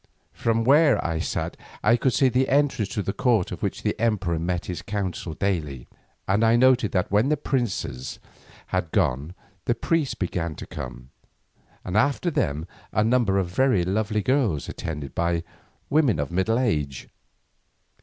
From where I sat I could see the entrance to the court in which the emperor met his council daily, and I noted that when the princes had gone the priests began to come, and after them a number of very lovely girls attended by women of middle age.